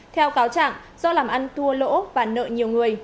theo cáo trạng do làm ăn thua lỗ và nợ nhiều người